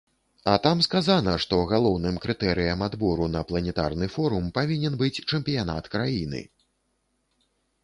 А там сказана, што галоўным крытэрыем адбору на планетарны форум павінен быць чэмпіянат краіны.